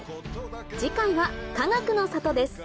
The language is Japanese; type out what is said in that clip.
次回はかがくの里です。